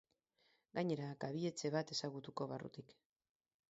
Gainera, kabi-etxe bat ezagutuko barrutik.